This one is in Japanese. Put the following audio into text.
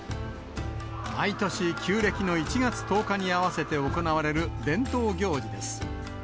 毎年旧暦の１月１０日に合わせて行われる伝統行事です。